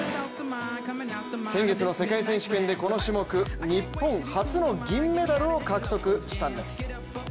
先月の世界選手権で、この種目日本初の銀メダルを獲得したんです。